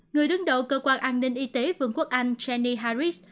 người đứng đầu cơ quan an ninh y tế vương quốc anh geny harris